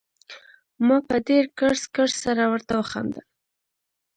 ما په ډېر کړس کړس سره ورته وخندل.